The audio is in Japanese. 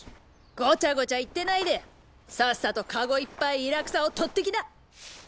ゴチャゴチャ言ってないでさっさとカゴいっぱいイラクサをとってきな！